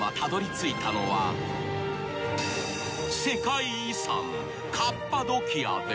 ついに世界遺産カッパドキアの